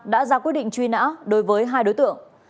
đã ra quyết định truy nã đối với hai đối tượng